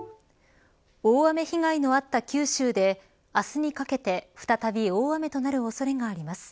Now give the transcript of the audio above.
大雨被害のあった九州で明日にかけて再び大雨となる恐れがあります。